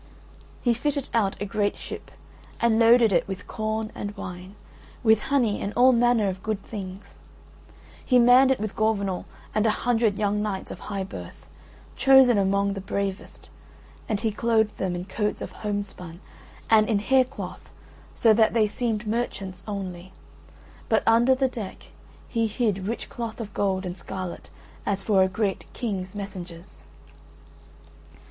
He fitted out a great ship and loaded it with corn and wine, with honey and all manner of good things; he manned it with Gorvenal and a hundred young knights of high birth, chosen among the bravest, and he clothed them in coats of home spun and in hair cloth so that they seemed merchants only: but under the deck he hid rich cloth of gold and scarlet as for a great king's messengers.